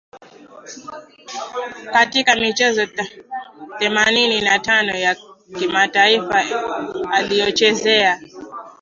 katika michezo themanini na tano ya kimataifa ailiyochezea